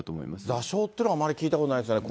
座礁というのは、あまり聞いたことないですね。